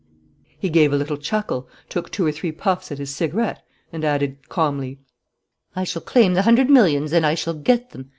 He gave a little chuckle, took two or three puffs at his cigarette, and added, calmly: "I shall claim the hundred millions and I shall get them.